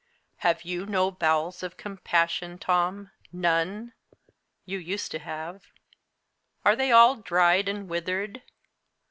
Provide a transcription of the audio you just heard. Have you no bowels of compassion, Tom none? You used to have. Are they all dried and withered?